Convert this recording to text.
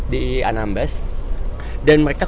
di anambas dan mereka